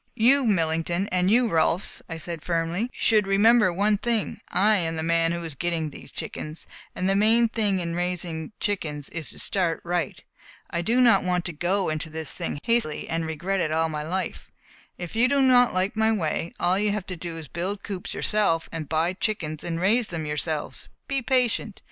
"You, Millington, and you, Rolfs," I said firmly, "should remember one thing: I am the man who is getting these chickens, and the main thing in raising chickens is to start right. I do not want to go into this thing hastily and then regret it all my life. If you do not like my way, all you have to do is to build coops yourselves and buy chickens and raise them yourselves. Be patient.